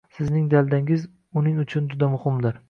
Sizning daldangiz uning uchun juda muhimdir